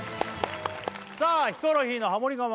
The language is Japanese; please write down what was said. さあヒコロヒーのハモリ我慢